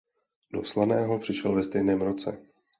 Do Slaného přišel ve stejném roce.